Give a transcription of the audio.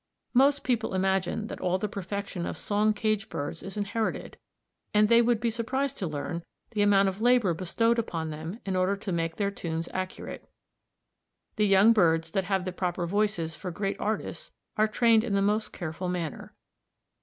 Most people imagine that all the perfection of song cage birds is inherited, and they would be surprised to learn the amount of labor bestowed upon them in order to make their tunes accurate. The young birds that have the proper voices for great artists are trained in the most careful manner.